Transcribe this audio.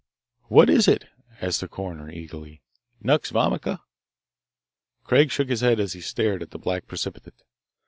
"What is it?" asked the coroner eagerly. "Nux vomica?" Craig shook his head as he stared at the black precipitate.